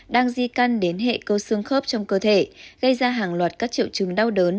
đang di căn đến hệ cơ xương khớp trong cơ thể gây ra hàng loạt các triệu chứng đau đớn